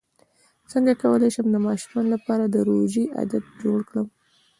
څنګه کولی شم د ماشومانو لپاره د روژې عادت جوړ کړم